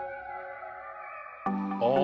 ああ